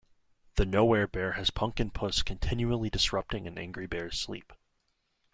The "Nowhere Bear" has Punkin' Puss continually disrupting an angry bear's sleep.